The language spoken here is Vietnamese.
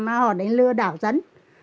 mà họ đến lừa đảo dân